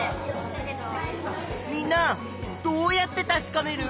みんなどうやってたしかめる？